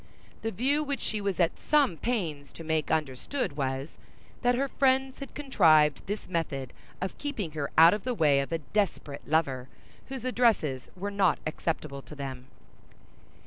The view which she was at some pains to make understood was, that her friends had contrived this method of keeping her out of the way of a desperate lover whose addresses were not acceptable to them.